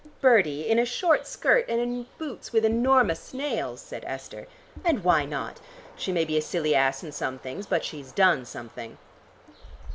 "Bertie, in a short skirt and boots with enormous nails," said Esther. "And why not? She may be a silly ass in some things, but she's done something."